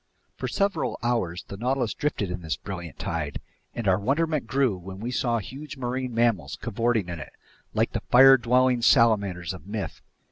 For several hours the Nautilus drifted in this brilliant tide, and our wonderment grew when we saw huge marine animals cavorting in it, like the fire dwelling salamanders of myth.